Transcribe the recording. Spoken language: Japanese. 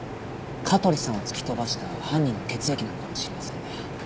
香取さんを突き飛ばした犯人の血液なのかもしれませんね。